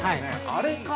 あれか。